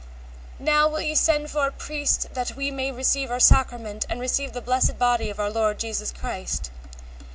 Now, will ye send for a priest, that we may receive our sacrament, and receive the blessed body of our Lord Jesus Christ?